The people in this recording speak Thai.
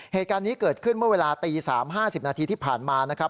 เหตุการณ์นี้เกิดขึ้นเมื่อเวลาตี๓๕๐นาทีที่ผ่านมานะครับ